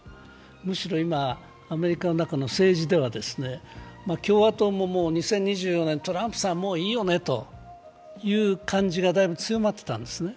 むしろ今、アメリカの中の政治では共和党も２０２４年、トランプさん、もういいよねという感じがだいぶ強まってたんですね。